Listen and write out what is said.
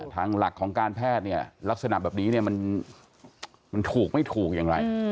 ทางหลักของการแพทย์เนี่ยลักษณะแบบนี้เนี่ยมันถูกไม่ถูกอย่างไร